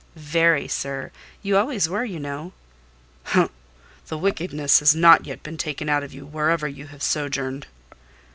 "Very, sir: you always were, you know." "Humph! The wickedness has not been taken out of you, wherever you have sojourned."